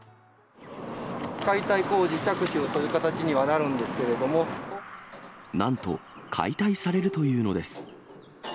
解体工事着手という形にはななんと、解体されるというのです。